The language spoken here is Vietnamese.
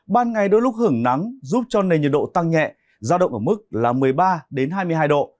ban ngày đôi lúc hưởng nắng giúp cho nền nhiệt độ tăng nhẹ giao động ở mức là một mươi ba hai mươi hai độ